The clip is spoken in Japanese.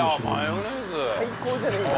最高じゃねーか。